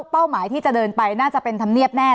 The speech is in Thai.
เป้าหมายที่จะเดินไปน่าจะเป็นธรรมเนียบแน่